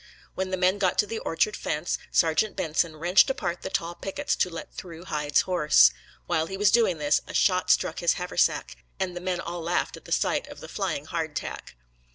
When the men got to the orchard fence, Sergeant Benson wrenched apart the tall pickets to let through Hyde's horse. While he was doing this, a shot struck his haversack, and the men all laughed at the sight of the flying hardtack.